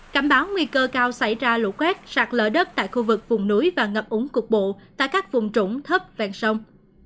cảnh báo nguy cơ cao xảy ra lũ quét sạt lở đất tại khu vực vùng núi và ngập ủng cục bộ tại các vùng trũng thấp vàng sông